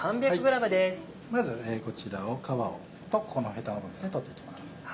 まずこちらを皮とここのヘタの部分ですね取っていきます。